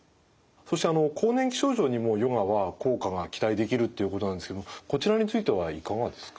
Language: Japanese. そして更年期症状にもヨガは効果が期待できるっていうことなんですけどもこちらについてはいかがですか。